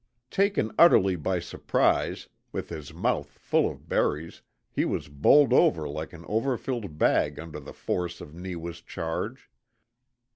Taken utterly by surprise, with his mouth full of berries, he was bowled over like an overfilled bag under the force of Neewa's charge.